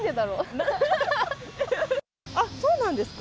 あっ、そうなんですか？